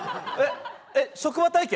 職場体験？